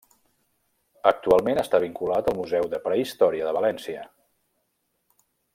Actualment està vinculat al Museu de Prehistòria de València.